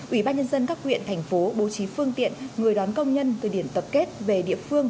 ủy ban nhân dân các huyện thành phố bố trí phương tiện người đón công nhân từ điểm tập kết về địa phương